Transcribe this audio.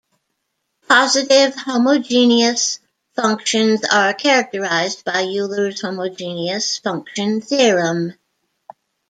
Positive homogeneous functions are characterized by Euler's homogeneous function theorem.